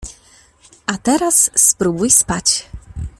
A teraz spróbuj spać!